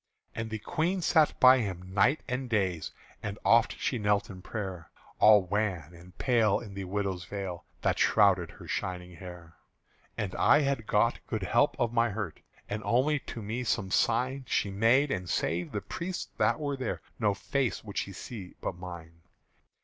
And the Queen sat by him night and days And oft she knelt in prayer, All wan and pale in the widow's veil That shrouded her shining hair. And I had got good help of my hurt: And only to me some sign She made; and save the priests that were there No face would she see but mine.